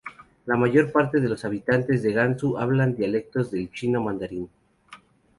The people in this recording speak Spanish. La mayor parte de los habitantes de Gansu hablan dialectos del chino mandarín.